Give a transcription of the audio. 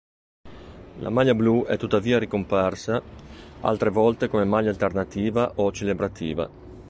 La maglia blu è tuttavia ricomparsa altre volte come maglia alternativa o celebrativa.